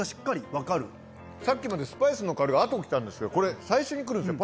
さっきまでスパイスの香りが後にきたんですけどこれ最初にくるんですよ